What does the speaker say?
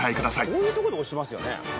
こういうところで押しますよね。